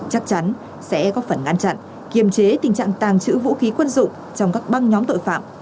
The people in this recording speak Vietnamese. chắc chắn sẽ góp phần ngăn chặn kiềm chế tình trạng tàng trữ vũ khí quân dụng trong các băng nhóm tội phạm